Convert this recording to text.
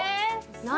何？